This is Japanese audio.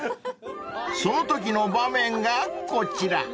［そのときの場面がこちら］